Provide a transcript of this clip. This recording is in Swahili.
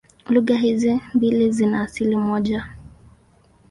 Lugha hizi mbili zina asili moja.